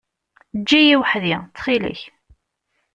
Eǧǧ-iyi weḥd-i, ttxil-k.